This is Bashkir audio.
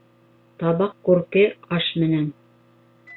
Табаҡ күрке аш менән.